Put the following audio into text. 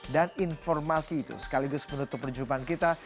dan informasi itu sekaligus menutup perjumpaan kita